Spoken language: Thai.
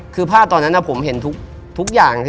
คือภาพตอนนั้นผมเห็นทุกอย่าง